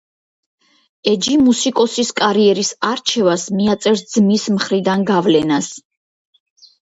ეჯი მუსიკოსის კარიერის არჩევას მიაწერს ძმის მხრიდან გავლენას.